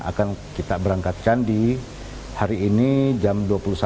akan kita berangkatkan di hari ini jam dua puluh satu